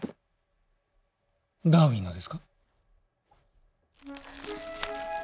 ダーウィンのですか？